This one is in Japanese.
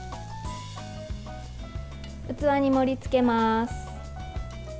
器に盛りつけます。